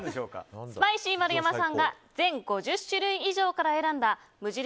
スパイシー丸山さんが全５０種類以上から選んだ無印